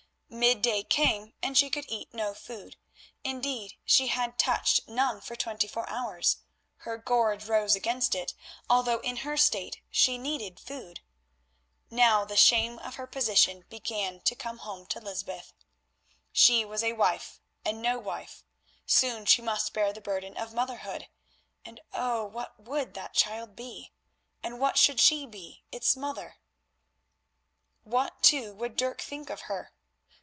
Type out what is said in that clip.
Midday came and she could eat no food; indeed, she had touched none for twenty four hours; her gorge rose against it, although in her state she needed food. Now the shame of her position began to come home to Lysbeth. She was a wife and no wife; soon she must bear the burden of motherhood, and oh! what would that child be? And what should she be, its mother? What, too, would Dirk think of her?